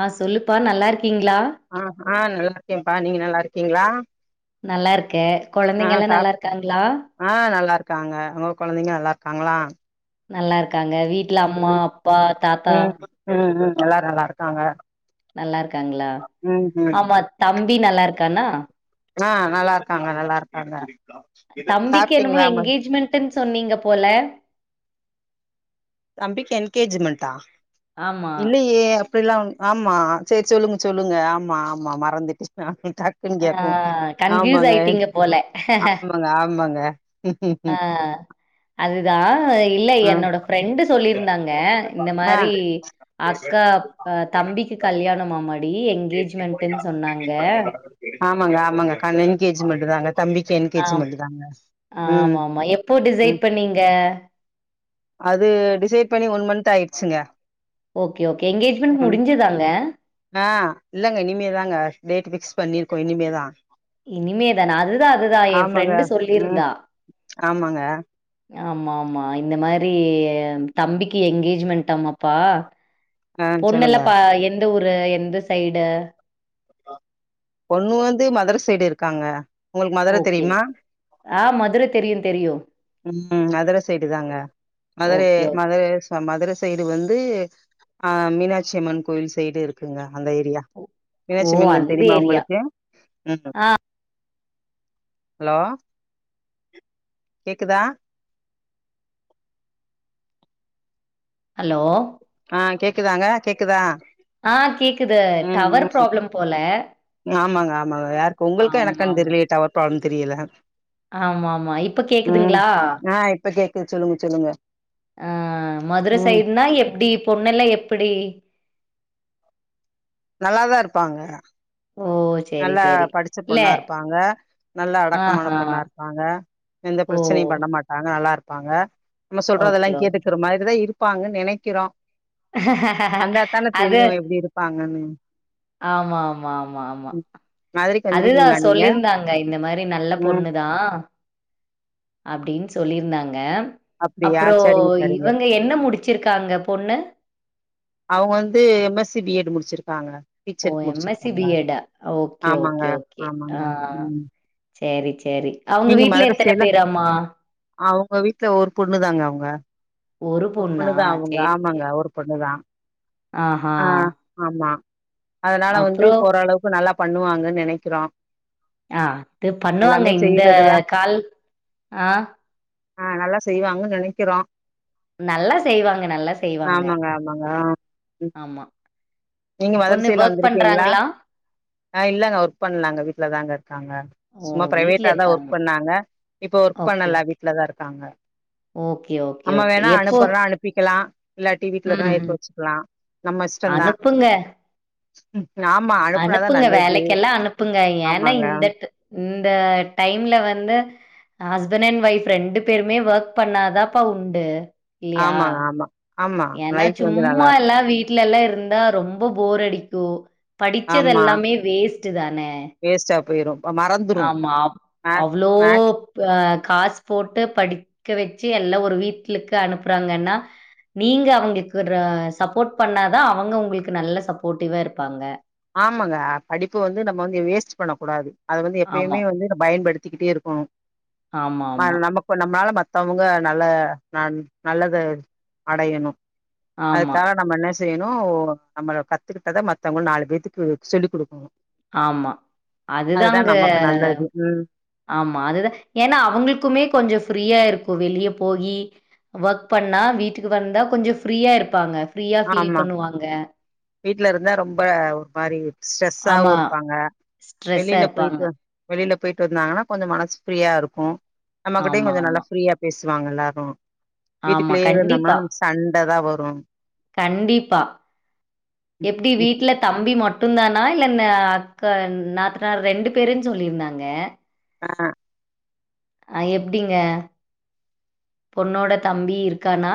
ஆ சொல்லுப்பா நல்லார்க்கீங்ளா ஆ ஆ நல்லார்க்கேம்ப்பா நீங்க நல்லார்க்கீங்ளா நல்லார்க்கே கொழந்தைங்கலா சாப் நல்லார்க்காங்ளா ஆ நல்லார்க்காங்க ஒங்க கொழந்தைங்க நல்லார்க்காங்ளா நல்லார்க்காங்க வீட்ல அம்மா அப்பா தாத்தா ம் ம் ம் எல்லாரு நல்லார்க்காங்க நல்லார்க்காங்ளா ஆமாத் தம்பி நல்லார்க்கானா ஆ நல்லார்க்காங்க நல்லார்க்காங்க தம்பிக்கு என்னமோ என்கேஜ்மெண்ட்டுன் சொன்னீங்க போல தம்பிக்கு என்கேஜ்மெண்டா ஆமா. இல்லயே அப்டிலா ஓன் ஆமா செரி சொல்லுங்க சொல்லுங்க ஆமா ஆமா மறந்துட்டு அ ஆ கன்ஃப்யூஸ் ஆய்ட்டீங்க போல ஆமாங்க ஆமாங்க ஆ அதுதா இல்ல என்னோட ஃப்ரெண்டு சொல்லிருந்தாங்க இந்த ஆ ஆ மாரி அக்கா தம்பிக்கு கல்யாணமாமடி என்கேஜ்மெண்ட்டுனு சொன்னாங்க ஆமாங்க ஆமாங்க காலைல என்கேஜ்மென்ட் தாங்க தம்பிக்கு என்கேஜ்மென்ட்தாங்க ஆமா ஆமா எப்போ டிசைட் பண்ணீங்க அது டிசைட் பண்ணி ஒன் மன்த் ஆய்ட்ச்சுங்க ஓகே ஓகே என்கேஜ்மெண்ட் முடிஞ்சுதாங்க ஆ இல்லங்க இனிமே தாங்க டேட் ஃபிக்ஸ் பண்ணிருக்கோ இனிமேதா இனிமே தானா அதுதா அதுதா ஏ ஆமாங்க ஃப்ரெண்டு ம் சொல்லிருந்தா ஆமாங்க ஆமாமா இந்த மாரி தம்பிக்கு என்கேஜ்மெண்ட்டாமாப்பா ஆ சொல்லுங்க பொண்ணெல்லா பா எந்த ஊரு எந்த சைடு பொண்ணு வந்து மதுர சைடு இருக்காங்க ஒங்களுக்கு மதுர ஓகே. தெரியுமா ஆ மதுரை தெரியும், தெரியும். ம் மதுர சைடு தாங்க மதுரே ஓகே, ஓகே. மதுரே அ மதுர சைடு வந்து அ மீனாட்சி அம்மன் கோயில் சைடு இருக்குங்க அந்த ஏரி ஓ! மீனாச்சி அம்மன் கோயில் அந்த தெரியுமா ஏரியா. உங்களுக்கு ஹலோ கேக்குதா ஹலோ ஆ கேக்குதாங்க கேக்குதா ஆ கேக்குது ம் டவர் ம் ப்ராப்ளம் போல ஆமாங்க ஆமாங்க யாருக்கு உங்களுக்கா எனக்கானு தெரிலயே டவர் ப்ராப்ளம் தெரியல ஆமா ஆமா இப்ப ம் கேக்குதுங்களா ஆ இப்ப கேக்குது சொல்லுங்க சொல்லுங்க ஆ மதுர ம் சைடுனா எப்டி பொண்ணுல்லா எப்டி நல்லாதா இருப்பாங்க ஓ சரி, நல்லா சரி. படிச்ச இல்ல பொண்ணா இருப்பாங்க நல்ல அடக்கமான ஆஹா. பொண்ணா இருப்பாங்க எந்த ஓ! பிரச்சனயு பண்ண மாட் டாங்க நல்லா இருப்பாங்க நம்ம ஓகே, சொல்றதெல்லா ஓகே. கேட்டுக்குற மாரிதா இருப்பாங்கனு நெனைக்கிறோ வந்தாத்தானே அது தெரியு எப்டி இருப்பாங்கனு ஆமா ஆமா ஆமா ஆமா மதுரைக்கு அதுதா வந்திருக்கீங்களா நீங்க சொல்லியிருந்தாங்க இந்த மாரி நல்ல ம் பொண்ணு தா அப்டினு சொல்லிருந்தாங்க அப்டியா அப்றோ சரிங்க சரிங்க இவங்க என்ன முடிச்சிருக்காங்க பொண்ணு அவங்க வந்து M S C B Ed முடிச்சிருக்காங்க ஓ டீச்சருக்கு எம் எஸ் முடிச்சிருக்காங்க சி பி எடா ஓகே ஆமாங்க, ஓகே ஓகே ஆ ஆமாங்க. ம். செரி செரி நீங்க மதுர சைட்ல அவங்க வீட்ல ஒரு பொண்ணு தாங்க அவுங்க ஒரு பொண்ணா? பொண்ணுதா அவுங்க சரி, ஆமாங்க சரி. ஒரு பொண்ணுதா ஆஹா! ஆ ஆமா அதனால வந்து அப்புறம் ஓரளவுக்கு நல்லா பண்ணுவாங்கன் நெனைக்கிறோ அ அது பண்ணுவாங்க இந்த செய்றதெல்லாம் கால் அ ஆ நல்லா செய்வாங்கனு நெனைக்கிறோ நல்லா செய்வாங்க நல்லா செய்வாங்க ஆமாங்க, ஆமாங்க. ஆ. ம். ஆமா நீங்க மதுர பொண்ணு சைட்ல வொர்க் வந்திருக்கீங்களா? பண்றாங்ளா ஆ இல்லங்க ஒர்க் பண்லங்க வீட்ல தாங்க இருக்காங்க ஓ! சும்மா வீட்ல பிரைவேட்டா தா இருக்காங்க. ஒர்க் பண்ணாங்க இப்ப ஒர்க் ஓகே, பண்ணல ஓகே. வீட்லதா இருக்காங்க ஓகே, ஓகே, நம்ம ஓகே. வேணா எப்போ அனுப்புன்னா அனுப் பிக்குலா இல்லாட்டி வீட்லதா ம். இருக்க வச்சுக்குலா நம்ம இஷ்டந்தா அனுப்புங்க. அனுப்புனாதா அனுப்புங்க நல்லது வேலைக்கெல்லா அனுப்புங்க ஏனா ஆமாங்க இந்தட்டு இந்த டைம்ல வந்து அ ஹஸ்பண் அண் ஒய்ஃப் ரெண்டு பேருமே ஒர்க் பண்ணாதாப்பா உண்டு ஆமாங்க ஆமா ஆமா ஏனா லைஃப் வந்து நல்லா இருக்கு சும்மாலா வீ ட்லலா இருந்தா ரொம்ப போர் அடிக்கு ஆமா படிச்சதெல்லாமே வேஸ்ட்டு தான வேஸ்ட்டா போய்ரு ஆமா அவுளவோ மேக்ஸ் இப்ப காஸ் போட்டு படிக்க வச்சு எல்லா ஒரு வீட்லுக்கு அனுப்புறாங்கனா நீங்க அவுங்ளுக்கு ஒரு சப்போட் பண்ணாதா அவுங்க உங்குளுக்கு நல்ல சப்போட்டிவா இருப்பாங்க ஆமாங்க படிப்பு வந்து நம்ம வந்து வேஸ்ட் பண்ண கூடாது அத வந்து ஆமா. எப்பயுமே வந்து அத பயன்படுத்திக்கிட்டே இரு குணு ஆமா, ஆமா. மேல நம்ம இப்ப நம்ளால மத்தவ்ங்க நல்ல நன் நல்லது அடையணு ஆமா, அதுக்காக நம்ம என்ன செய்யணு நம்மள கத்துக்கிட்டத மத்தவ்ங்க நாலு பேர் கத்துக்குறதுக் சொல்லி குடுக்கணு ஆமா அதுதா அதுதாங்க நமக்கு நல்லது ம் ஆமா அதுதா ஏனா அவுங்ளுக்குமே கொஞ்சோ ஃப்ரீயா இருக்கு வெளிய போயி ஒர்க் பண்ணா வீட்டுக்கு வந்தா கொஞ்சோ ஃப்ரீயா இருப்பாங்க ஃப்ரீயா ஃபீல் ஆமா பண்ணுவாங்க வீட்ல இருந்தா ரொம்ப ஒரு மாரி ஸ்ட்ரெஸ்ஸாவு ஆமா. இருப்பாங்க ஸ்ட்ரெஸ்ஸா வெளில இருப்பாங்க. போய்ட்டு வந் வெளில போய்ட்டு வந்தாங்கனா கொஞ்சோ மனசு ஃப்ரீயா இருக்கு நம்மகிட்டயு ஆமா, கொஞ்சோ நல்லா ஆமா. ஃப்ரீயா பேசுவாங்க எல்லாரு ஆமா, வீட்டுக்குள்ளயே இருந்தோம்னா கண்டிப்பா. நமக் சண்டதா வரு கண்டிப்பா எப்டி வீட்ல தம்பி மட்டுந்தானா இல்ல இந்த அக்கா நாத்தனார் ரெண்டு பேருன் சொல்லிருந்தாங்க ஆ அது எப்டீங்க பொண்ணோட தம்பி இருக்கானா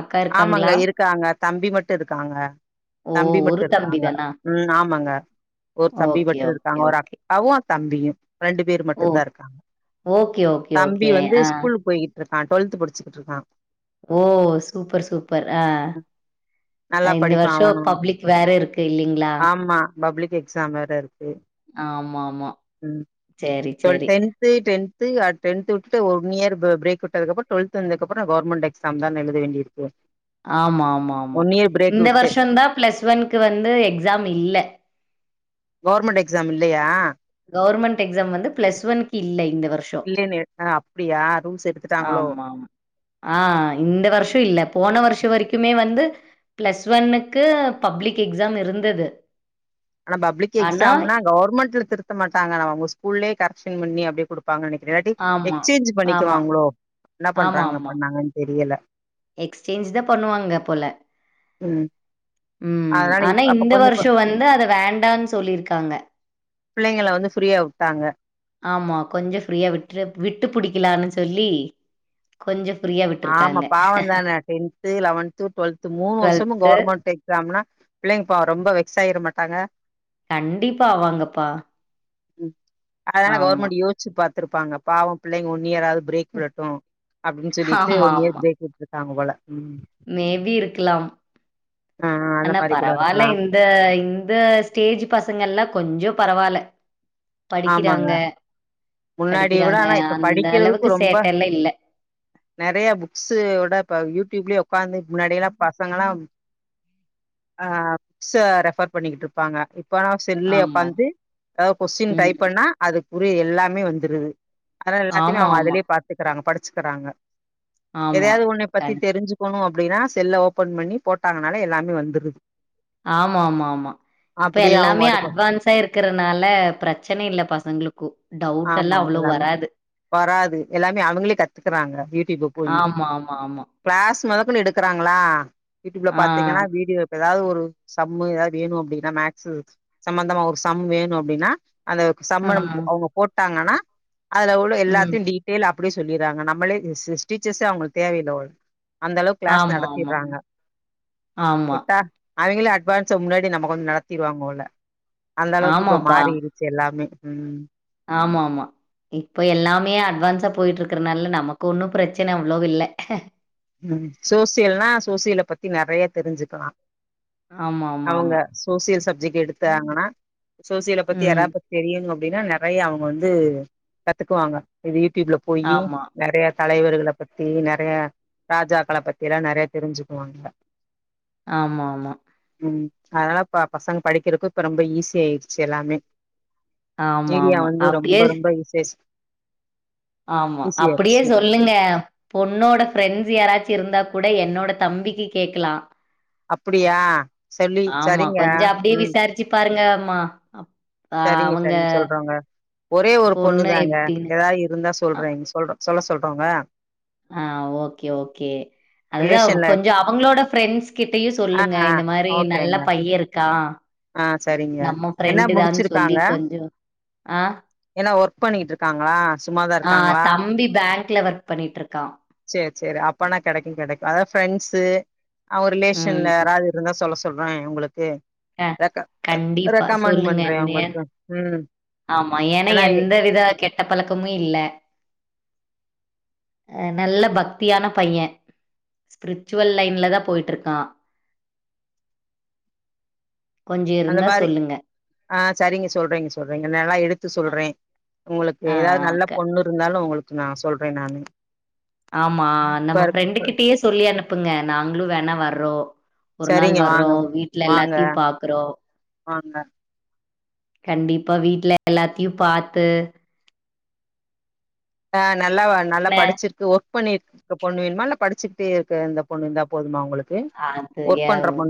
அக்கா ஆமாங்க இருக்காங்களா? இருக்காங்க தம்பி மட்டு இருக்காங்க ஓ! தம்பி மட்டு தம்பி இருக்காங்க தானா? ம் ஆமாங்க ஒரு தம்பி ஓகே, மட்டு ஓகே, இருக்காங்க ஒரு அக் ஓகே. காவு தம்பியு ரெண்டு பேர் ஓ! மட்டுந்தான் இருக்காங்க ஓகே, ஓகே, தம்பி ஓகே. வந்து ஆ. ஸ்கூலுக்கு போய்கிட் ருக்கான் டொல்த்து படிச்சுக்கிட்ருக்கான் ஓ சூப்பர் சூப் பர் அ நல்லா இந்த படிப்பா வருஷோ அவனு பப்ளிக் வேற இருக்கு இல்லைங்ளா ஆமா பப்ளிக் எக்ஸாம் வேற இருக்கு ஆமாம்மா சேரி சேரி இப்பயே டென்த்து அ டென்த்து விட்டுட்டு ஒன் இயர் ப பிரேக் விட்டதுக்கப்புறு டொல்த்து வந்தக்கப்புறோ கவ்ர்மெண்ட் எக்ஸாம்தான் எழுத வேண்டியிரு க்கு ஆமா ஆமா ஆமா இந்த வருஷந்தான் பிளஸ் ஒன்னுக்கு வந்து எக்ஸாம் இல்ல கவ்ர்மெண்ட் எக்ஸாம் இல்லையா கவ்ர்மெண்ட் எக்ஸாம் வந்து பிளஸ் ஒன்னுக்கு இல்ல இந்த வருஷ் இல்லைன்னு அ அப்டியா ரூல்ஸ் எடுத்துட்டாங்குளோ ஆமாமா. ஆ இந்த வருஷோ இல்ல போன வருஷோ வரைக்குமே வந்து பிளஸ் ஒன்னுக்கு பப்ளிக் எக்ஸாம் இருந்தது ஆனா பப்ளிக் ஆனா எக்ஸாம்னா கவர்மெண்ட்ல திருத்தமாட்டாங்க அவங்க ஸ்கூல்லே கரெக்ஷன் பண்ணி அப்டியே கொடு ப்பாங்க நெனைக்கிறே இல்லாட்டி ஆமா, எக்ஸ்சேஞ்ச் ஆமா, பண்ணிக்குவாங்களோ என்ன பண்றாங்க ஆமாமா. பண்ணாங்கன்னு தெரியல எக்ஸ்சேஞ்ச் தா பண்ணுவாங்க போல ம் ம் அதனால ஆனா இப்ப அப்ப இந்த கொஞ்சம் ப- வருஷோ வந்து அத வேண்டான்னு சொல்லியிருக்காங்க பிள்ளைங்கள வந்து ஃப்ரீயா விட்டாங்க ஆமா கொஞ்சோ ஃப்ரீயா விட்று விட்டு பிடிக்கலான்னு சொல்லி கொஞ்சோ ப்ரீயா விட் ஆமா பாவந்தானே டென்து லெவன்து டுவெல்து மூணு வருஷமு கவர்மெண்ட் எக்ஸாம்னா பிள்ளைங்கப்பாவோ ரொம்ப வெக்ஸ் ஆயிட மாட்டாங்க கண்டிப்பா வாங்கப்பா அதல்லா கவர்மெண்ட் யோசிச்சு பாத்துருப்பாங்க பாவோ பிள்ளைங்க ஒன்ன இயர் ஆவது பிரேக் ட்டு அப்டின்னு சொல்லிட்டு ஒன் இயர் ஆமாமா. பிரேக் விட்டுருக்காங்க போல ம் மேபி இருக்கலாம் ஆ அந்த ஆனா மாரி கூட பெரவாயில்ல இருக்கலா இந் இந்த இந்த ஸ்டேஜ் பசங்க எல்லா கொஞ்சோ பெரவால்ல ஆமாங்க படிக்கிறாங்க முன்னாடிய விட படிக்கிறாங்க ஆனா இப்ப அந்த அளவுக்கு படிக்கிறதுக்கு ரொம்ப சேட்டலா இல்ல நெறைய புக்ஸோட இப்ப யூடியூப்லயே உட்காந்து முன்னாடிய எல்லா பசங்க எல்லா ஆ புக்ஸ ரெஃபர் பண்ணிக்கிட்டு இருப்பாங்க இப்பனா செல்லே ஆமாம் உக்காந்து ஏதா கொஸ்டின் ம் டைப் பண்ணா அதுக்குரிய எல்லாமே வந்துருது அத எல்லாத்தையுமே ஆமா அவங்க ஆமா அததுலயே பாத்துக்கிறாங்க படிச்சுக்கிறாங்க ஆமா எதயாது ஒன்ன பத்தி கண் தெரிஞ்சு பாக்கணு அப்டின்னா செல்ல ஓபன் பண்ணி போட்டாங்கனால எல்லாமே வந்துருது ஆமா ஆமா ஆமா இப்ப அப்டியே அவங்க எல்லாமே பாட்டுக்கு அட்வான்ஸா இருக்கு இருக்கறனால பிரச்சனை இல்ல பசங்களுக்கு டவுட் எல்லா ஆமாங்க அவ்ளோ எல்லாமே வராது வராது எல்லாமே அவங்களே கத்துக்குறாங்க யூடியூப்ப போட்டு ஆமா ஆமா ஆமா கிளாஸ் மொதக் கொண்டு எடுக்குறாங்களா யூடியூப்ல ஆ பாத்தீங்கன்னா வீடியோ இப்ப ஏதாவது ஒரு சம்மு ஏதாவது வேணு அப்டின்னா மேக்ஸ் சம்பந்தமா ஒரு சம் வேணு அப்டின்னா அந்த ஆ சம்மளம் அவங்க போட்டாங்கன்னா அதுல உள்ள ம் எல்லாத்தையு டி அப்டியே சொல்லிறாங்க நம்மளே டீச்சர்ஸ்சே அவங்களுக்கு தேவ இல்ல போல இருக்கு அந்த அளவுக்கு கிளாஸ் ஆமா ஆமா நடத்திற்றாங்க ஆமா விட்டா அவைங்களே அட்வான்ஸ முன்னாடி நம்ம கொஞ்சோ நடத்திருவாங்க போல அந்த அளவுக்கு இப்ப ஆமாப்பா மாறி இருக் எல்லாமே ம் ஆமா ஆமா இப்ப எல்லாமே அட்வான்ஸா போயிட்டு இருக்கறனால நமக்கு ஒன்னு பிரச்சன அவ்ளோ இல்ல ம் சோசியல்னா சோசியல்ல பத்தி நெறைய தெரிஞ்சுக்கலா ஆமா ஆமா அவங்க ஆமா சோசியல் சப்ஜெக்ட் எடுத்தாங்கனா சோசியல பத்தி யாறா ம் தெரியனு அப்டினா நெறையா அவங்க வந்து கத்துக்குவாங்க இது யூடியூப்ல போயி ஆமா நெறையா தலைவர்கள பத்தி நெறையா ராஜாக்கள பத்தில்லா நெறையா தெரிஞ்சுக்குவாங்க ஆமா ஆமா உ அதனால இப்ப பசங்க படிக்கிறக்கு இப்ப ரொம்ப ஈஸியா ஆயிடுச்சு எல்லாமே ஆமா மீடியா ஆமா வந்து ரொம்ப அப்டியே ரொம்ப யூசேசு ஆமா அப்டியே சொல்லுங்க பொண்ணோட ஃப்ரெண்ட்ஸ் யாராச்சு இருந்தா கூட என்னோட தம்பிக்கு கேக்கலா அப்டியா சொல்லி சரிங்க உ ச்சி பாருங்க அம்மா சரிங்க சரிங்க சொல்றோங்க ஒரே ஒரு பொண்ணு தாங்க ஏதாது இருந்தா அ சொல்றேன்சு சொல்ற சொல்ல சொல்றோங்க ஆ ஓகே ஓகே அதுதா ரிலேஷன்ல கொஞ்சோ அவங்களோட ஃப்ரெண்ட்ஸ் கிட்டயே ஆ சொல்லுங்க ஆ இந்த மாரி நல்ல ஓகேங்க பைய்யே இருக்கான் ஆ சரிங்க என்ன சொல்லி முடிச்சிருக்காங்க கொஞ்சோ ஆ என்ன ஒர்க் பண்ணிட்டு இருக்காங்களா சும்மாதா இருக்காங்களா ம்பி பேங் க்ல ஒர்க் பண்ணிட்டு இருக்கா செரி செரி அப்பனா கெடைக்கு கெடைக்கு அதா ஃப்ரெண்ட்ஸு அவங்க ரிலேஷன்ல ம் யாராது இருந்தா சொல்ல சொ சொல்றேன் ஒங்களுக்கு அ ர கண்டிப்பா ரெக்கமெண்ட் சொல்லுங்க பண்றே என்ன உங்களுக்கு உ ஆமா ஏனா எந்த வித கெட்ட பழக்கமு இல்ல நல்ல பக்தியான பய்யேன் ஸ்பிரிச்சுவல் லைன்ல தா போயிட்டு இருக்கா கொஞ்சோ அந்த இருந்தா மாரி சொல்லுங்க ஆ சரிங்க சொல்றேங்க சொல்றேங்க நல்லா எடுத்து சொல்றே உங்களுக்கு ஆ ஏதாது நல்ல க பொண்ணு இருந்தாலு உங்களுக்கு நா சொல்றே நானு ஆமா இப்ப நம்ம ஃப்ரெண்டு இருக்க கிட்டயே சொல்லி அனுப்புங்க நாங்களு வேணா வர்றோ ஒரு நாள் சரிங்க வர்றோ வாங்க வீட்ல வாங்க எல்லாத்தயு பாக்குறோ வாங்க கண்டிப்பா வீட்ல எல்லாத்தயு பாத்து ஆ நல்லவா நல்லா ன படிச்சிருக்கு ஓக் பண்ணிட் இருக்ற பொண்ணு வேணுமா இல்ல படிச்சிடே இருக்க இந்த பொண்ணு இருந்தா போதுமா உங்ளுக்கு அது ஏ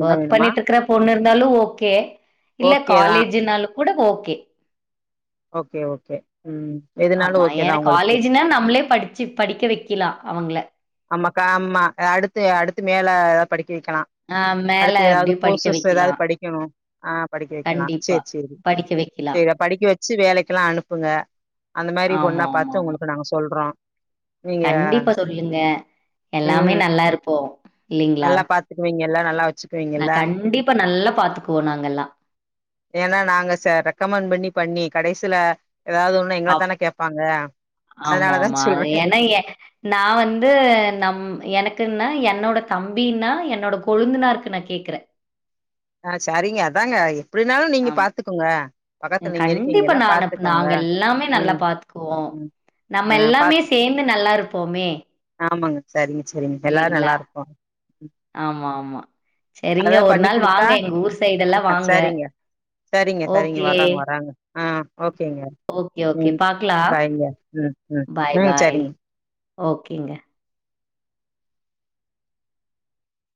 ஒர்க் பண்ணிட்டு இருக்ற பொண்ணு இருந்தாலும் ஓகே இல்ல ஓகே தா காலேஜூனாலு கூட ஓகே ஓகே ஓகே உம் ஆமா ஏனா காலேஜுனா நம்மளே படிச்சு படிக்க வெக்கிலா அவங்கள ஆமாக்கா ஆம்மா அடுத்து அடுத்து மேல ஏதாது படிக்க வக்கெலா ஆ மேல அடுத்து ஏதாது அப்டியே படிக்க கோர்சஸ் வெக்கலா ஏதாது படிக்கணு ஆ படிக்க வக்கெலா கண்டிப்பா செரி செரி படிக்க வெக்கலா செரி அப் படிக்க வச்சு வேலைக்கெல்லா அனுப்புங்க அந்த மாரி ஆமா பொண்ணா ஆமா பாத்து ஆமா. ஒங்களுக்கு நாங்க சொல்றோ நீங்க கண்டிப்பா சொல்லிருங்க எல்லாமே ம் நல்லா இருப்போ நல்லா பாத்துக்குவீங்கல்ல நல்லா வச்சு நா கண்டிப்பா நல்லா பாத்துக்குவோ நாங்கல்லா ஏன்னா நாங்க ச ரெக்கமெண்ட் பண்ணி பண்ணி கடைசில ஏதாது ஒன் அப் எங்களத்தான கேப்பாங்க அதனாலதா சொல்றே நா வந்து நம் எனக்குன்னா என்னோட தம்பினா என்னோட கொழுந்தனாருக்கு நா கேக்குறே ஆ சரிங்க அதாங்க எப்டினாலு நீங்க ஆமா. பாத்துக்கோங்க பக்கத்துல நீங்க கண்டிப்பா இருக்கீங்கல்ல நானு பாத்துக்கோங்க நாங்க எல்லாமே நல்லா ம் பாத்துக்குவோம். உ நம்ம எல்லாமே சேந்து நல்லா இருப்போமே ஆமாங்க சரிங்க செரிங்க எல்லாரு இல்லீங்களா? நல்லா இருப்போ ஆமா ஆமா செரிங்க ஒரு நாள் வா டா ஆஹ சரிங்க சரிங்க சரிங்க ஓகே. வறாங் வறாங்கு ஹ ஓகேங்க ஓகே ஓகே. ம் பாக்கலாம். பாய்ங்க ம் ம் பாய் ம் பாய். சரிங்க ஓகேங்க